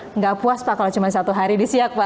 tidak puas pak kalau cuma satu hari di siak pak